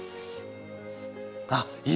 あっいい！